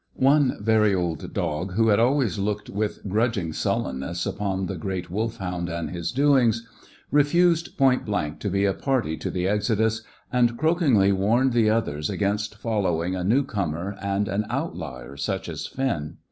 One very old dog, who had always looked with grudging sullenness upon the great Wolfhound and his doings, refused point blank to be a party to the exodus, and croakingly warned the others against following a new comer and an outlier such as Finn.